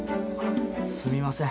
すみません。